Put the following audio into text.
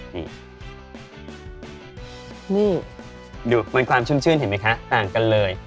นี่ดูมันความชุ่มชื่นเห็นไหมคะต่างกันเลย